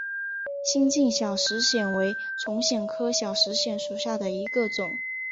新进小石藓为丛藓科小石藓属下的一个种。